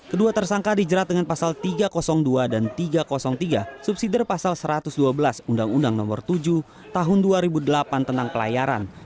kedua tersangka dijerat dengan pasal tiga ratus dua dan tiga ratus tiga subsidi pasal satu ratus dua belas undang undang nomor tujuh tahun dua ribu delapan tentang pelayaran